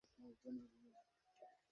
এটা স্কুল না, নায়না!